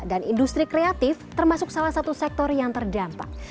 dan industri kreatif termasuk salah satu sektor yang terdampak